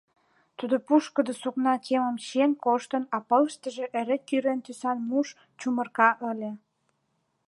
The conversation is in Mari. Тудо пушкыдо сукна кемым чиен коштын, а пылышыштыже эре кӱрен тӱсан муш чумырка ыле.